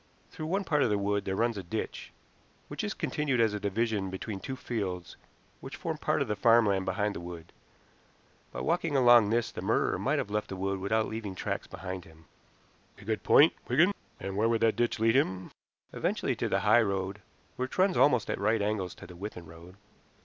Through one part of the wood there runs a ditch, which is continued as a division between two fields which form part of the farm land behind the wood. By walking along this the murderer might have left the wood without leaving tracks behind him." "A good point, Wigan. And where would that ditch lead him?" "Eventually to the high road, which runs almost at right angles to the Withan road."